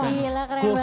wah gila keren banget